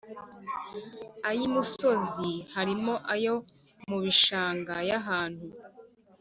Ay imusozi harimo ayo mu bishanga ay ahantu